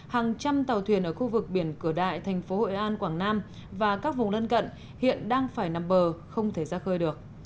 hàng trăm tàu thuyền ở khu vực biển cửa đại thành phố hội an quảng nam và các vùng lân cận hiện đang phải nằm bờ không thể ra khơi được